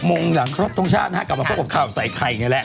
๖โมงหลังครบตรงชาติกลับมาพบข้าวใส่ไข่อย่างนี้แหละ